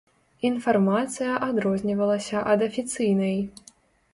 Інфармацыя адрознівалася ад афіцыйнай.